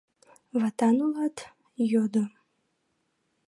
— Ватан улат? — йодо.